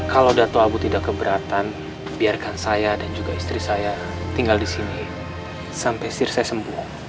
kalau datuabu tidak keberatan biarkan saya dan juga istri saya tinggal di sini sampai istri saya sembuh